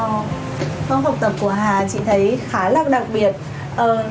wow các học tập của hà chị thấy khá là đặc biệt